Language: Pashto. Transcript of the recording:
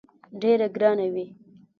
ډېره ګرانه وي.